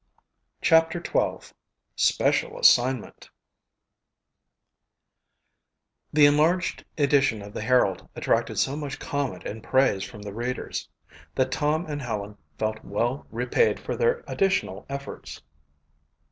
CHAPTER XII Special Assignment The enlarged edition of the Herald attracted so much comment and praise from the readers that Tom and Helen felt well repaid for their additional efforts.